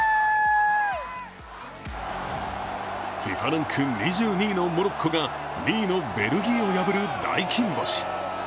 ＦＩＦＡランク２２位のモロッコが２位のベルギーを破る大金星。